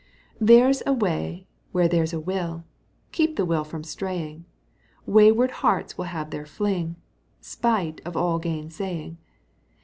There's a way where there's a will: Keep the will from straying. Wayward hearts will have their fling, Spite of all gainsaying.